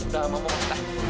udah mau mongkak